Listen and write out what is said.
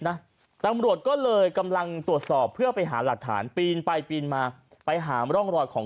นะตำรวจก็เลยกำลังตรวจสอบเพื่อไปหาหลักฐานปีนไปปีนมาไปหาร่องรอยของ